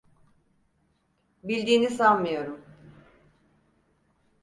Bildiğini sanmıyorum.